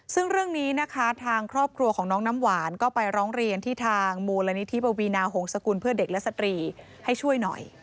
ซึ่งเรื่องนี้นะคะทางครอบครัวของน้องน้ำหวานก็ไปร้องเรียนที่ทางมูลนิธิปวีนาหงษกุลเพื่อเด็กและสตรีให้ช่วยหน่อย